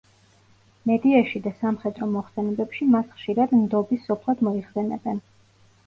მედიაში და სამხედრო მოხსენებებში მას ხშირად „ნდობის სოფლად“ მოიხსენებენ.